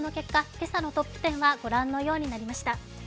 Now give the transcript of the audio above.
今朝のトップ１０はご覧のようになりました。